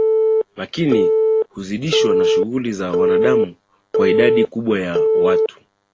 lakini huzidishwa na shughuli za wanadamuKwa idadi kubwa ya watu